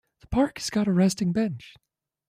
The park has got a resting bench.